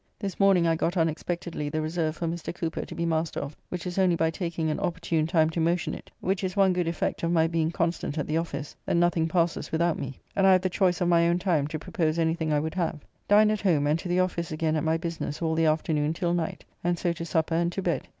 This morning I got unexpectedly the Reserve for Mr. Cooper to be maister of, which was only by taking an opportune time to motion [it], which is one good effect of my being constant at the office, that nothing passes without me; and I have the choice of my own time to propose anything I would have. Dined at home, and to the office again at my business all the afternoon till night, and so to supper and to bed.